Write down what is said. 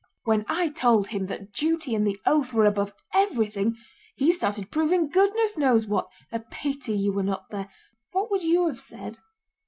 "When I told him that duty and the oath were above everything, he started proving goodness knows what! A pity you were not there—what would you have said?"